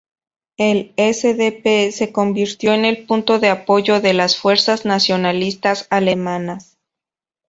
El SdP se convirtió en el punto de apoyo de las fuerzas nacionalistas alemanas.